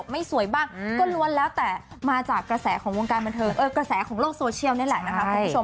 ไม่สวยบ้างก็ล้วนแล้วแต่มาจากกระแสของโลกโซเชียลนี่แหละนะครับคุณผู้ชม